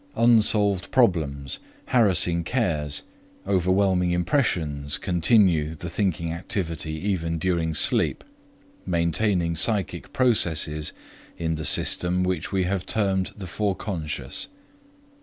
Unsolved problems, harassing cares, overwhelming impressions continue the thinking activity even during sleep, maintaining psychic processes in the system which we have termed the foreconscious.